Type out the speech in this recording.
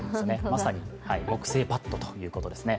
まさに木製バットということですね。